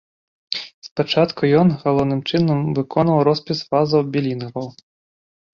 Спачатку ён, галоўным чынам, выконваў роспіс вазаў-білінгваў.